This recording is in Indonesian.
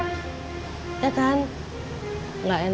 kemaren kan seharian papa udah gak ngantor